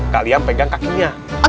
kalian pegang kakinya